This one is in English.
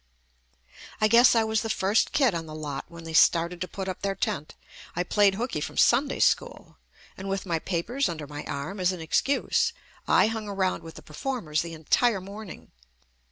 I guess I was the first kid on the lot when they started to put up their tent. I played hookey from Sunday School, and with my pa pers under my arm as an excuse, I hung around with the performers the entire morning.